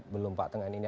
belum pak tengah ini